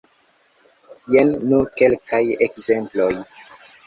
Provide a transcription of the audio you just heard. Jen nur kelkaj ekzemploj.